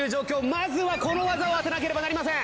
まずはこの技を当てなければなりません。